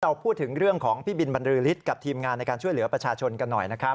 พูดถึงเรื่องของพี่บินบรรลือฤทธิ์กับทีมงานในการช่วยเหลือประชาชนกันหน่อยนะครับ